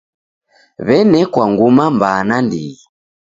W'enekwa nguma mbaa naindighi.